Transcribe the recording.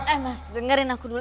eh mas dengerin aku dulu